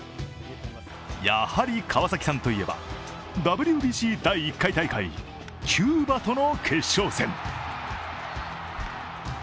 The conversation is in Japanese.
やはり、川崎さんと言えばＷＢＣ第１回大会キューバとの決勝戦。